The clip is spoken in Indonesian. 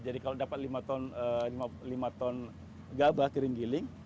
jadi kalau dapat lima ton gabak kering kering